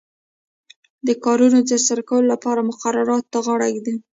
د کارونو د ترسره کولو لپاره مقرراتو ته غاړه ږدي.